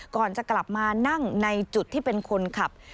ก่อนจะกลับมานั่งในจุดที่เป็นคนขับ